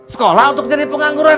sekolah untuk jadi pengangguran